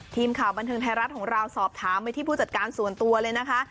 ทีมข่าวบันเทิงไทยรัฐของเราสอบถามไปที่ผู้จัดการส่วนตัวเลยนะคะ